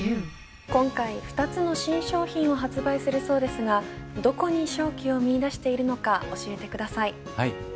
今回２つの新商品を発売するそうですがどこに商機を見いだしているのか教えてください。